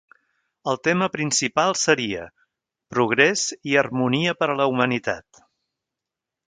El tema principal seria "Progres i harmonia per a la humanitat".